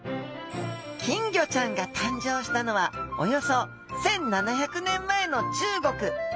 金魚ちゃんが誕生したのはおよそ１，７００年前の中国。